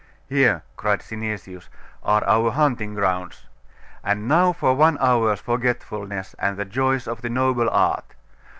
'Here,' cried Synesius, 'are our hunting grounds. And now for one hour's forgetfulness, and the joys of the noble art.